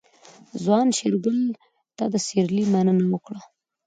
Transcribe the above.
ځوان شېرګل ته د سيرلي مننه وکړه.